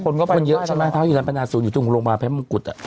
มีเยอะมากไท้อยู่ทางพนานศูนย์อยู่ตรงคุณโรงบาร์ภะมมะกุรต